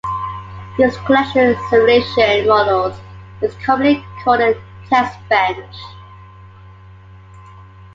This collection of simulation models is commonly called a "testbench".